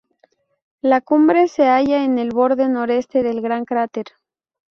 La cumbre se halla en el borde noreste del gran cráter.